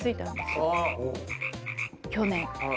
去年。